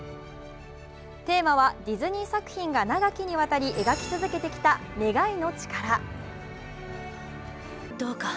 テーマは、ディズニー作品が長きにわたり描き続けてきた願いの力。